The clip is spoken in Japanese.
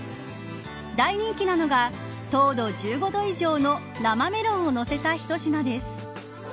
大人気なのが糖度１５度以上の生メロンを乗せた一品です。